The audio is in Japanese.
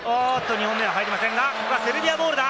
２本目は入りませんが、ここはセルビアボールだ！